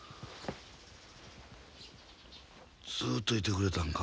ずっといてくれたんか。